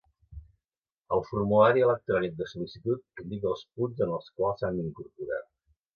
El formulari electrònic de sol·licitud indica els punts en els quals s'han d'incorporar.